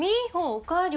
おかえり。